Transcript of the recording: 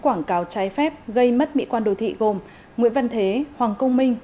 quảng cáo trái phép gây mất mỹ quan đồ thị gồm nguyễn văn thế hoàng công minh